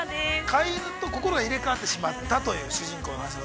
◆飼い犬と心が入れ替わってしまったという主人公の話です。